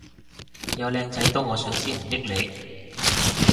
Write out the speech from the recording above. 有靚仔都我上先唔益你